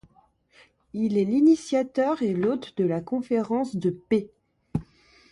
Il est l'initiateur et l'hôte de la conférence de paix.